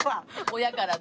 親からね。